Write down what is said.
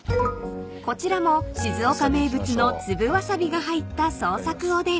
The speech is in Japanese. ［こちらも静岡名物の粒ワサビが入った創作おでん］